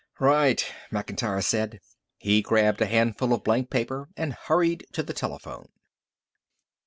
"Right," Macintyre said. He grabbed a handful of blank paper and hurried to the telephone.